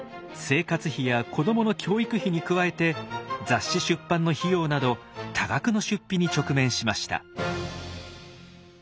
生活費や子どもの教育費に加えて雑誌出版の費用など多額の出費に直面しました。